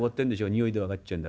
匂いで分かっちゃうんだ